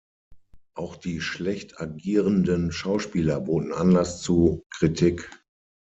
Auch die schlecht agierenden Schauspieler boten Anlass zu Kritik.